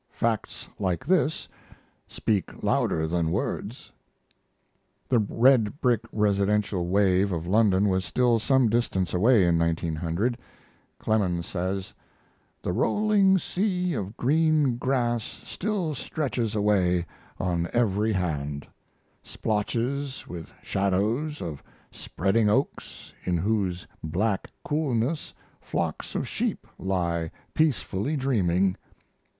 Facts like this speak louder than words." The red brick residential wave of London was still some distance away in 1900. Clemens says: The rolling sea of green grass still stretches away on every hand, splotches with shadows of spreading oaks in whose black coolness flocks of sheep lie peacefully dreaming.